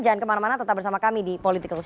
jangan kemana mana tetap bersama kami di politikal show